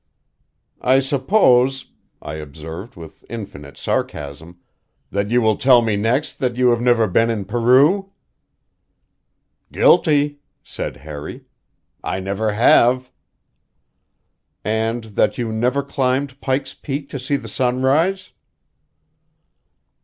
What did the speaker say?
"I suppose," I observed with infinite sarcasm, "that you will tell me next that you have never been in Peru?" "Guilty," said Harry. "I never have." "And that you never climbed Pike's Peak to see the sunrise?"